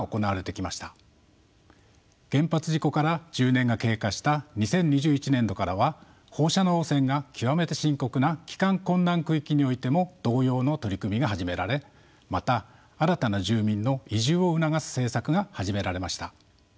原発事故から１０年が経過した２０２１年度からは放射能汚染が極めて深刻な帰還困難区域においても同様の取り組みが始められまた新たな住民の移住を促す政策が始められました。